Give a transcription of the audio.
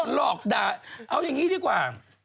หลอกด่าเอาอย่างนี้ดีกว่า